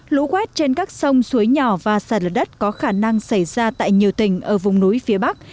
lũ quét trên các sông suối nhỏ và sạt lở đất có khả năng xảy ra tại nhiều tỉnh ở vùng núi phía bắc